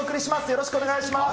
よろしくお願いします。